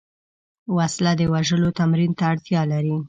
وسله د وژلو تمرین ته اړتیا لري